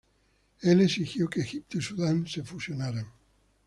Él exigió que Egipto y Sudán se fusionaran.